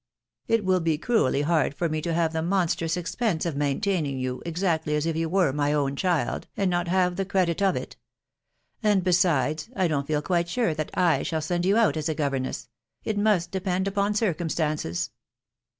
It will be cruelly hard for me to have the monstrous expense of maintaining you, exactly as if you were my own child, and not have the credit of it. And, besides, I don't feel quite sure that / shall send you out as a governess .... it must depend upon circumstances.